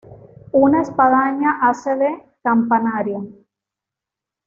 Una espadaña hace de campanario.